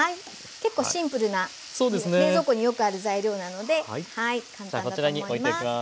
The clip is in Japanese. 結構シンプルな冷蔵庫によくある材料なので簡単だと思います。